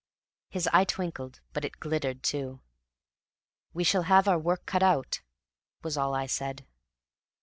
His eye twinkled, but it glittered, too. "We shall have our work cut out," was all I said.